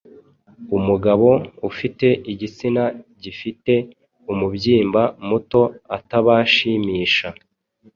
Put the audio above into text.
umugabo ufite igitsina gifite umubyimba muto atabashimisha,